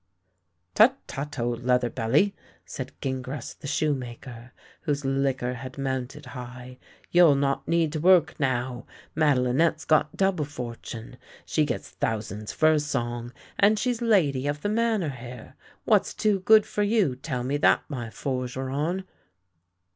" Tut, tut, old leather belly," said Gingras the shoe maker, whose liquor had mounted high, " you'll not need to work now. Madelinette's got double fortune. She gets thousands for a song, and she's lady of the Manor here. What's too good for you, tell me that, my forgeron!